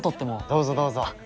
どうぞどうぞ。